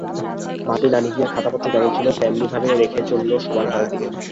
বাতি না নিভিয়ে খাতাপত্র যেমন ছিল তেমনি ভাবেই রেখে চলল শোবার ঘরের দিকে।